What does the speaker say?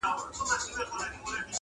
په یوه حمله یې پورته کړه له مځکي!.